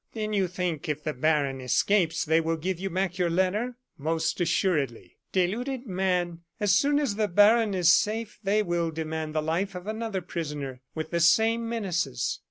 "Then you think if the baron escapes they will give you back your letter?" "Most assuredly." "Deluded man! As soon as the baron is safe, they will demand the life of another prisoner, with the same menaces."